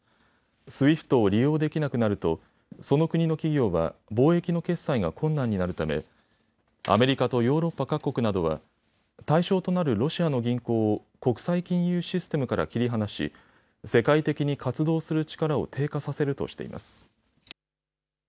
ＳＷＩＦＴを利用できなくなるとその国の企業は貿易の決済が困難になるためアメリカとヨーロッパ各国などは対象となるロシアの銀行を国際金融システムから切り離し世界的に活動する力を低下させるとしています。